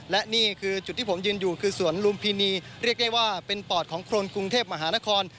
และนี่คือจุดที่ผมยืนอยู่คือสวนลุมพินีเรียกได้ว่าเป็นปอดของคนกรุงเทพมหานคร